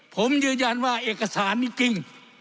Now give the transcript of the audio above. ผมยืนยันว่าเอกสารนี้จริง